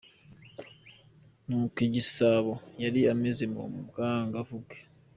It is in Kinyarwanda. Ni uku Igisabo yari ameze mu bwangavu bwe.